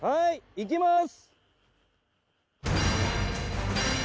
いきます！